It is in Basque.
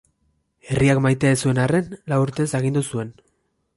Herriak maite ez zuen arren, lau urtez agindu zuen.